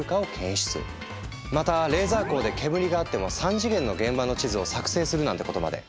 またレーザー光で煙があっても３次元の現場の地図を作成するなんてことまで。